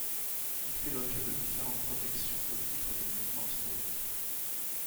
Il fait l'objet de différentes protections au titre des Monuments historiques.